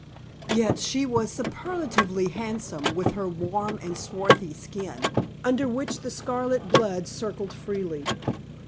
Yet she was superlatively handsome with her warm and swarthy skin, under which the scarlet blood circled freely.